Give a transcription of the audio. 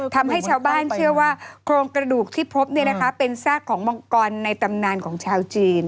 ทำให้ชาวบ้านเชื่อว่าโครงกระดูกที่พบเป็นซากของมังกรในตำนานของชาวจีน